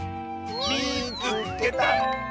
「みいつけた！」。